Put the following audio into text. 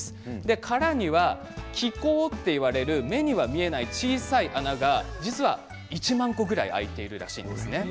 殻には気孔と言われる目には見えない小さい穴が実は１万個ぐらい開いているそうなんです。